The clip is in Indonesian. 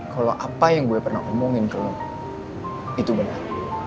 kalau apa yang gue pernah omongin kalau itu benar